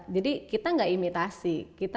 jadi kita nggak imitasi